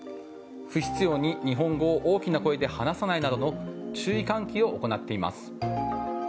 不必要に日本語を大きな声で話さないなどの注意喚起を行っています。